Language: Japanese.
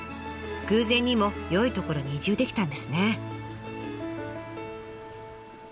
偶然にも良い所に移住できたんですね。